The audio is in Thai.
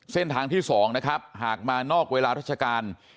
เส้นทางที่๒นะครับหากมานอกเวลาราชการ